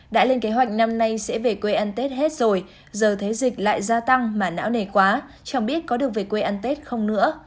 đã lên kế hoạch năm nay sẽ về quê ăn tết hết rồi giờ thấy dịch lại gia tăng mà não nề quá chẳng biết có được về quê ăn tết không nữa